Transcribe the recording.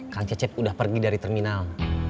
kang cecep udah pergi dari terminal